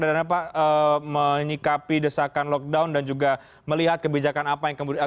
dan apa menyikapi desakan lockdown dan juga melihat kebijakan apa yang kemudian